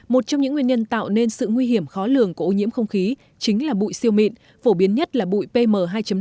một trong những nguyên nhân tạo nên sự nguy hiểm khó lường của ô nhiễm không khí chính là bụi siêu mịn phổ biến nhất là bụi pm hai năm